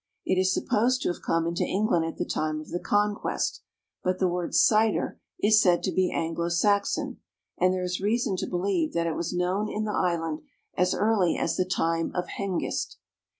It is supposed to have come into England at the time of the conquest, but the word "cyder" is said to be Anglo Saxon, and there is reason to believe that it was known in the island as early as the time of Henghist.